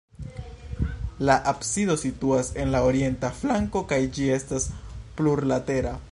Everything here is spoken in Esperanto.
La absido situas en la orienta flanko kaj ĝi estas plurlatera.